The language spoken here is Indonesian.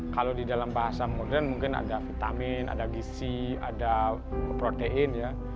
kalau di dalam bahasa modern mungkin ada vitamin ada gizi ada protein ya